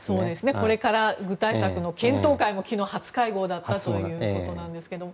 これから具体策の検討会も昨日初会合だったということですけれども。